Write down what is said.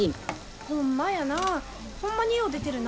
ホンマやなホンマによう出てるな。